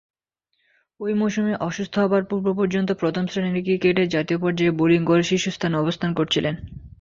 ঐ মৌসুমে অসুস্থ হবার পূর্ব-পর্যন্ত প্রথম-শ্রেণীর ক্রিকেটে জাতীয় পর্যায়ে বোলিং গড়ে শীর্ষস্থানে অবস্থান করছিলেন।